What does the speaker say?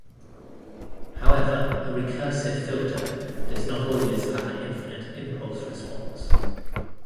However, a recursive filter does not always have an infinite impulse response.